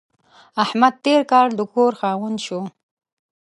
احمد تېر کال د کور خاوند شو.